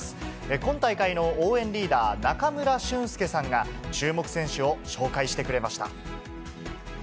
今大会の応援リーダー、中村俊輔さんが、注目選手を紹介してくれました。